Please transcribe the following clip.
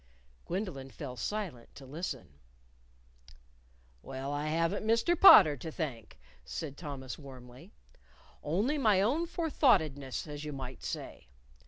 Gwendolyn fell silent to listen. "Well, I haven't Mr. Potter to thank," said Thomas, warmly; "only my own forethoughtedness, as you might say.